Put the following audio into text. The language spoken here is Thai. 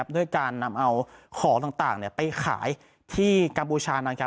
ด้วยการนำเอาของต่างไปขายที่กัมพูชา